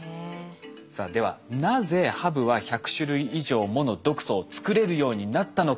さあではなぜハブは１００種類以上もの毒素を作れるようになったのか。